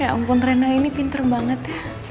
ya ampun reina ini pinter banget